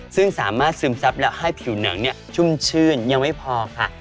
ซึ่งสามารถซึมซับแล้วให้ผิวหนังชุ่มชื่นยังไม่พอค่ะ